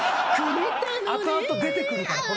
後々、出てくるから。